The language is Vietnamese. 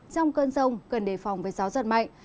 trong cơn sông cần đề phòng với gió rất mạnh